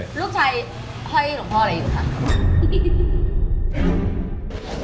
ลูกชายให้หนูพ่อเลยนะครับ